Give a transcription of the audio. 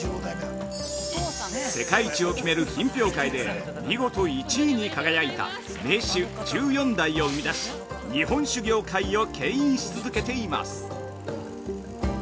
世界一を決める品評会で見事１位に輝いた銘酒十四代を生み出し日本酒業界を牽引し続けています。